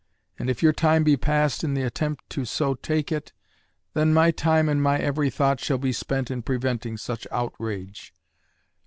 And if your time be passed in the attempt to so take it, then my time and my every thought shall be spent in preventing such outrage.